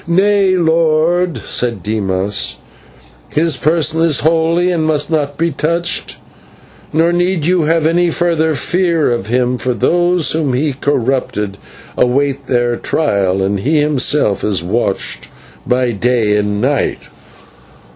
"Nay, Lord," said Dimas, "his person is holy and must not be touched, nor need you have any further fear of him, for those whom he corrupted await their trial, and he himself is watched day and night.